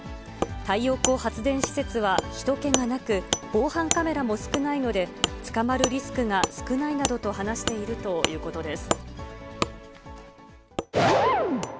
太陽光発電施設はひと気がなく、防犯カメラも少ないので、捕まるリスクが少ないなどと話しているということです。